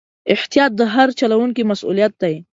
احتیاط د هر چلوونکي مسؤلیت دی.